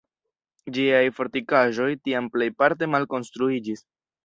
Ĝiaj fortikaĵoj tiam plejparte malkonstruiĝis.